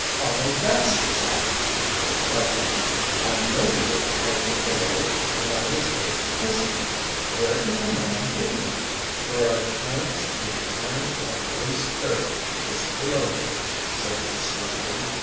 "Arnold Baxter's hat," cried Tom. "I noted it particularly when I was their prisoner. Where can the man be?" "There are tons an' tons o' loose dirt just be low here," said Slim Jim.